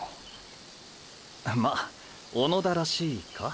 ま小野田らしいか？